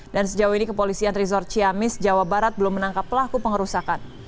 dan sejauh ini kepolisian resort ciamis jawa barat belum menangkap pelaku pengerusakan